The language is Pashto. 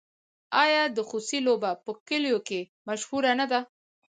آیا د خوسي لوبه په کلیو کې مشهوره نه ده؟